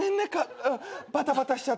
バタバタしちゃって。